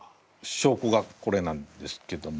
しょうこがこれなんですけども。